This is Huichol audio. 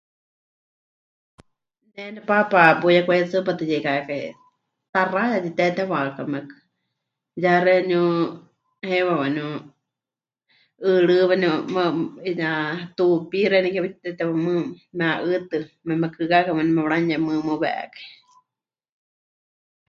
Ne nepaapa puyekwaitsɨpatɨyeikakai taxaya titetewakamekɨ ya xeeníu, heiwa waaníu 'ɨɨrí waníu muuwa, 'iyá tuupí xeeníu ke paɨ titetewa mɨɨkɨ meha'ɨtɨ memekɨkákai waníu, mepɨwaranuyemɨmɨwekai.